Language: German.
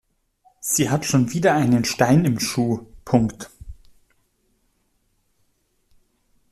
Sie hat schon wieder einen Stein im Schuh.